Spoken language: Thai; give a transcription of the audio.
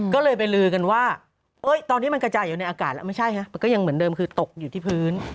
ก็เลยไปลือกันว่าตอนนี้มันกระจายอยู่ในอากาศแล้วไม่ใช่ฮะมันก็ยังเหมือนเดิมคือตกอยู่ที่พื้น